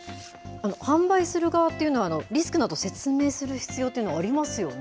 販売する側っていうのは、リスクなど説明する必要というのはありますよね。